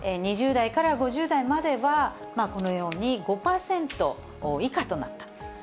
２０代から５０代までは、このように５％以下となったと。